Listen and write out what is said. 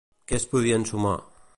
Què es podia ensumar?